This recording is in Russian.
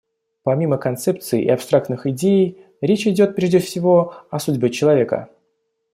Помимо концепций и абстрактных идей речь идет, прежде всего, о судьбе человека.